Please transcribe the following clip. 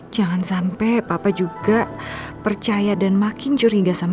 jangan sampai papa juga percaya dan makin curiga sama